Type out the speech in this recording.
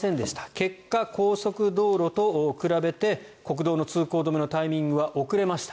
結果、高速道路と比べて国道の通行止めのタイミングは遅れました。